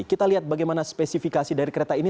kita lihat bagaimana spesifikasi dari kereta ini